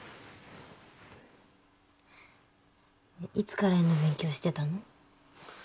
いつから絵の勉強してたの？